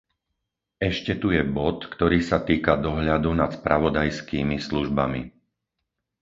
Ešte tu je bod, ktorý sa týka dohľadu nad spravodajskými službami.